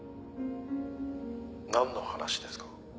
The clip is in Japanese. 「なんの話ですか？」